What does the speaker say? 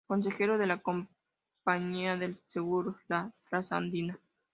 Consejero de la Compañía de Seguros La Trasandina.